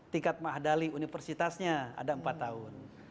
tingkat mahdali universitasnya ada empat tahun